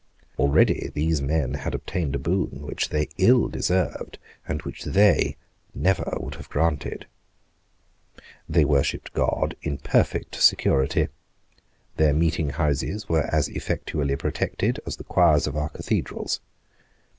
Already these men had obtained a boon which they ill deserved, and which they never would have granted. They worshipped God in perfect security. Their meeting houses were as effectually protected as the choirs of our cathedrals.